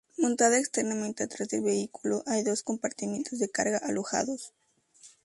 Montada externamente atrás del vehículo hay dos compartimientos de carga alojados.